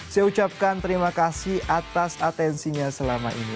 saya ucapkan terima kasih atas atensinya selama ini